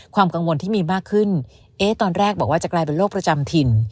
ความกังวลที่มีมากขึ้นเอ๊ะตอนแรกบอกว่าจะกลายเป็นโรคประจำถิ่น